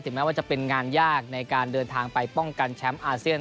แม้ว่าจะเป็นงานยากในการเดินทางไปป้องกันแชมป์อาเซียน